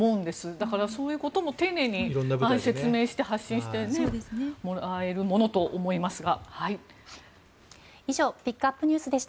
だから、そういうことも丁寧に説明して発信してもらえるものと思いますが。